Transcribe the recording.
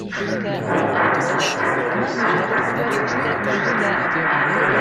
Il travailla à plusieurs reprises en collaboration avec des artistes hindous.